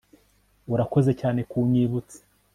urakoze cyane kunyibutsa